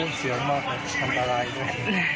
เสียงมากเลยอันตรายด้วย